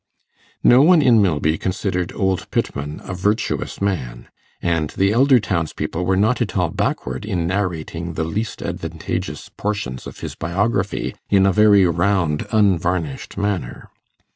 No one in Milby considered old Pittman a virtuous man, and the elder townspeople were not at all backward in narrating the least advantageous portions of his biography in a very round unvarnished manner.